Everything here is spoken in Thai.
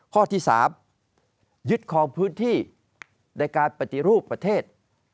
ข้อที่๓ยึดคลองพื้นที่ในการปฏิรูปประเทศ